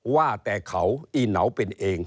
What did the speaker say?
ว่าแต่เขาอีเหนาเป็นเอง